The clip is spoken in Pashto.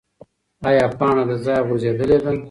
ایا پاڼه له ځایه غورځېدلې ده؟